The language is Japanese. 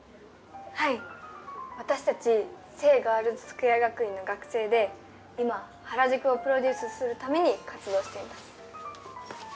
はい私たち聖ガールズスクエア学院の学生で今原宿をプロデュースするために活動しています。